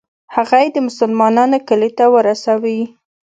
هغه یې د مسلمانانو کلي ته ورسوي.